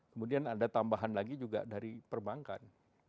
kemudian ada tambahan lagi juga dari perbankan